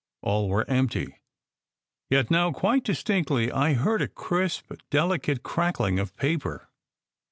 All were empty: yet now quite distinctly I heard a crisp, delicate crackling of paper.